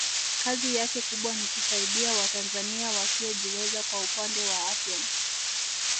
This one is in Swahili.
kazi yake kubwa ni kusaidia watanzania wasiojiweza kwa upande wa afya